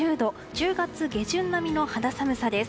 １０月下旬並みの肌寒さです。